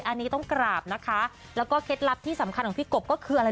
อันนี้ต้องกราบนะคะแล้วก็เคล็ดลับที่สำคัญของพี่กบก็คืออะไร